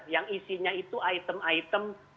yang isinya itu item item